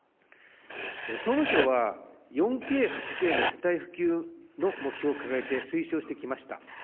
総務省は、４Ｋ８Ｋの世帯普及の目標を掲げて推奨してきました。